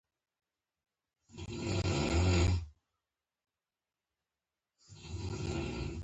هېواد ته صادق قضا پکار ده